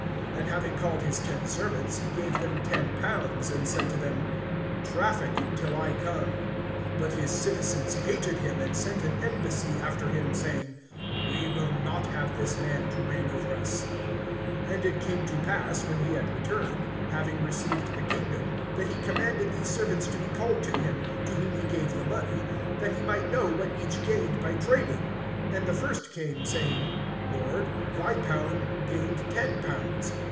(13)And having called his ten servants, he gave them ten pounds, and said to them: Traffic, till I come. (14)But his citizens hated him, and sent an embassy after him, saying: We will not have this man to reign over us. (15)And it came to pass, when he had returned, having received the kingdom, that he commanded these servants to be called to him, to whom he gave the money, that he might know what each gained by trading. (16)And the first came, saying: Lord, thy pound gained ten pounds.